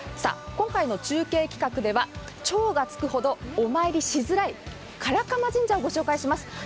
今回の中継企画では超がつくほどお参りしづらい韓竈神社をご紹介します。